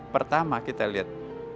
pertama kita lihat